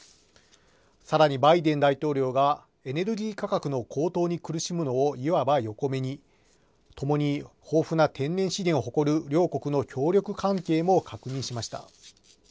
さらに、バイデン大統領がエネルギー価格の高騰に苦しむのをいわば横目に、共に豊富な天然資源を誇る両国の協力関係も確認しました。